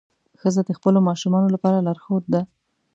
ښځه د خپلو ماشومانو لپاره لارښوده ده.